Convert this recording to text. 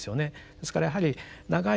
ですからやはり長い